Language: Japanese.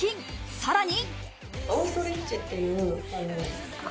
さらに。